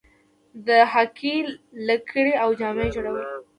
د هاکي لکړې او جامې جوړوي.